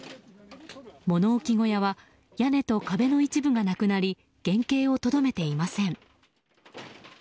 物置小屋は屋根と壁の一部がなくなり原形をとどめていません。